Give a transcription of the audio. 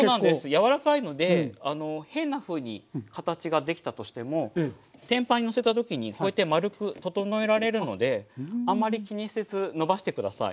柔らかいので変なふうに形が出来たとしても天板にのせた時にこうやってまるく整えられるのであんまり気にせずのばして下さい。